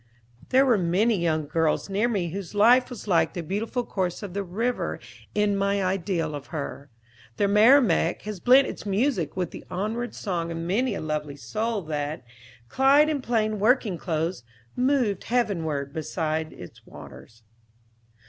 There was many a young girl near me whose life was like the beautiful course of the river in my ideal of her. The Merrimack has blent its music with the onward song of many a lovely soul that, clad in plain working clothes, moved heavenward beside its waters.